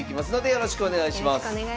よろしくお願いします。